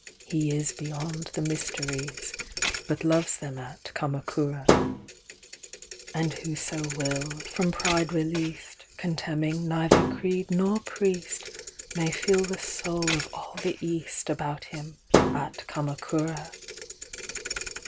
He is beyond the MysteriesBut loves them at Kamakura.And whoso will, from Pride released, Contemning neither creed nor priest, May feel the Soul of all the EastAbout him at Kamakura.